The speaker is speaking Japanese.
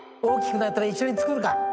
大きくなったら一緒に作るか。